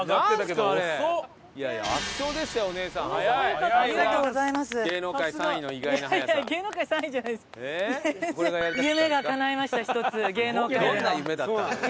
どんな夢だったんだよ？